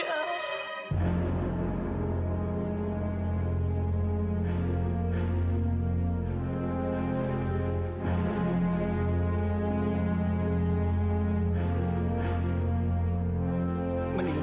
alena enggak akan berhubungan lagi sama taufan